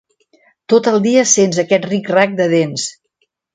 Tot el dia sents aquell ric-rac de dents.